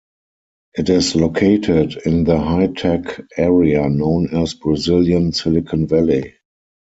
It is located in the high tech area known as Brazilian Silicon Valley.